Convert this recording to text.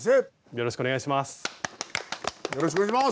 よろしくお願いします。